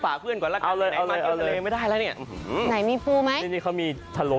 สายอยู่ตรงไหนตอนนี้หาสายไม่เจอ